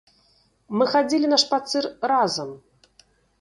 Мы хадзілі на шпацыр разам.